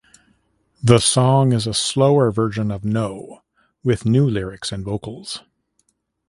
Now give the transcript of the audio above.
The song is a slower version of "No" with new lyrics and vocals.